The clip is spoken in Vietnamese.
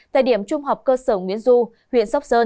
tại điểm trung học cơ sở nguyễn du huyện sóc sơn